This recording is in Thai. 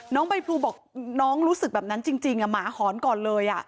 น้องใบพลูบอกน้องรู้สึกแบบนั้นจริงหมาหอนก่อนเลย